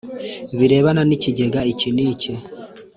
birebana n ikigega iki n iki